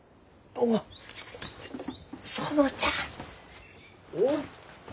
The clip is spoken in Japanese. おっ園ちゃん。